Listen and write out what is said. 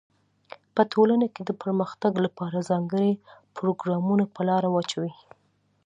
په ټولنه کي د پرمختګ لپاره ځانګړي پروګرامونه په لاره واچوی.